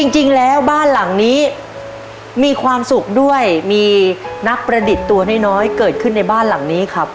จริงแล้วบ้านหลังนี้มีความสุขด้วยมีนักประดิษฐ์ตัวน้อยเกิดขึ้นในบ้านหลังนี้ครับ